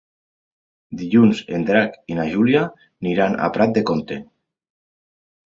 Dilluns en Drac i na Júlia aniran a Prat de Comte.